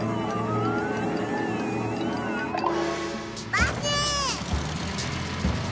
バス！